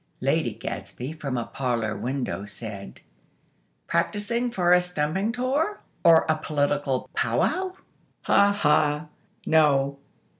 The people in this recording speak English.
Lady Gadsby, from a parlor window, said: "Practicing for a stumping tour, or a political pow wow?" "Ha, ha! No.